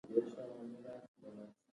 په دې کې د کار موضوع او وسایل شامل دي.